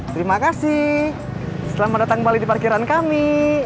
terima kasih selamat datang kembali di parkiran kami